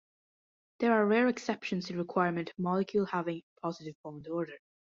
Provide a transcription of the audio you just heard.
There are rare exceptions to the requirement of molecule having a positive bond order.